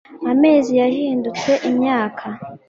amezi yahindutse imyaka